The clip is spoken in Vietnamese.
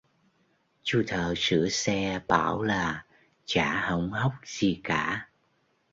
Chú thợ sửa xe bảo là chả hỏng hóc gì cả